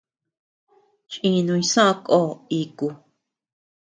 Chinuñ soʼö ko iku.